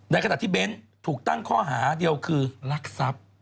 ในขณะที่เบ้นถูกตั้งข้อหาเดียวคือรักทรัพย์